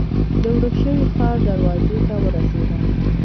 د ورک شوي ښار دروازې ته ورسېدم.